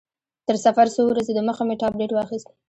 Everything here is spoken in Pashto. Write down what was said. تر سفر څو ورځې دمخه مې ټابلیټ واخیست.